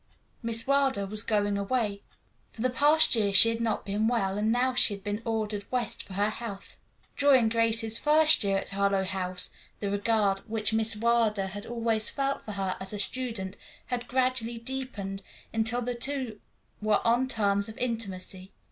Miss Wilder was going away. For the past year she had not been well, and now she had been ordered West for her health. During Grace's first year at Harlowe House the regard which Miss Wilder had always felt for her as a student had gradually deepened until the two were on terms of intimacy.